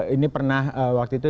ini pernah waktu itu